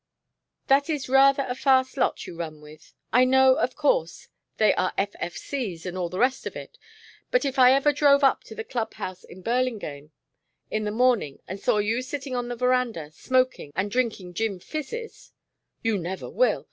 That is rather a fast lot you run with. I know, of course, they are F.F.C.'s, and all the rest of it, but if I ever drove up to the Club House in Burlingame in the morning and saw you sitting on the veranda smoking and drinking gin fizzes " "You never will!